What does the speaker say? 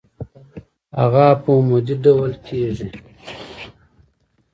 هغه په عمودي ډول کیږدئ.